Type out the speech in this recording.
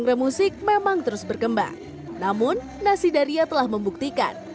gere musik memang terus berkembang namun nasidaria telah membuktikan